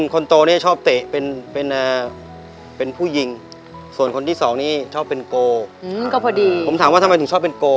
ขวัญทำไมนุยชอบเป็นโก